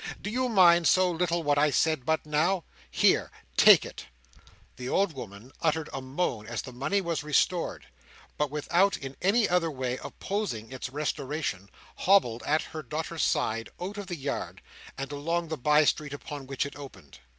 Do you mind so little what I said but now? Here. Take it!" The old woman uttered a moan as the money was restored, but without in any other way opposing its restoration, hobbled at her daughter's side out of the yard, and along the by street upon which it opened.